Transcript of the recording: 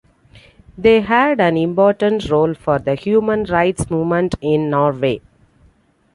They had an important role for the human rights movement in Norway.